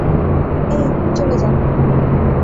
এই, চলে যা।